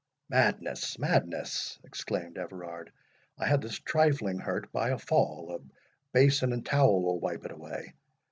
"Madness—madness!" exclaimed Everard; "I had this trifling hurt by a fall—a basin and towel will wipe it away.